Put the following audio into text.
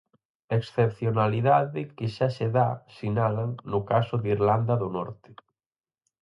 Excepcionalidade que xa se dá ─sinalan─ no caso de Irlanda do Norte.